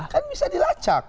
kan bisa dilacak